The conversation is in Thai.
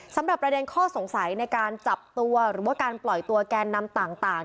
สำหรับประเด็นข้อสงสัยในการจับตัวหรือว่าการปล่อยตัวแกนนำต่าง